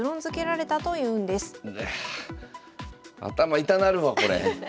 ああ頭痛なるわこれ。